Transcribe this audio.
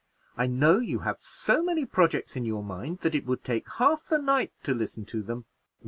I know you have so many projects in your mind that it would take half the night to listen to them."